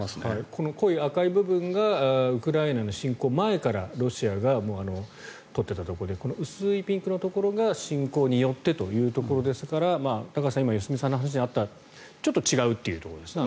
この赤い部分がウクライナの侵攻前からロシアが取っていたところで薄いピンクのところが侵攻によってというところですから良純さんの話にあったちょっと違うというところですね。